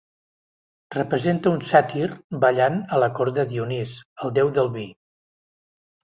Representa un sàtir ballant a la cort de Dionís, el déu del vi.